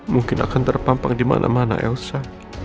mungkin akan terpampang dimana mana elsa